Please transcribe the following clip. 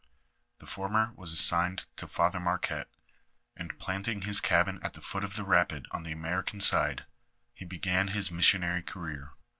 The former was assigned to Father Marquette, and planting his cabin at the foot of the rapid on the American side, he began his mis sionary career.